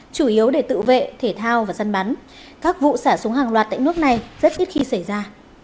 chủ yếu để tự vệ thể thao và săn bắn các vụ xả súng hàng loạt tại nước này rất ít khi xảy ra